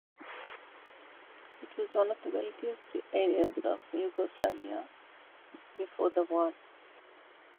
It was one of the wealthiest areas of Yugoslavia before the war.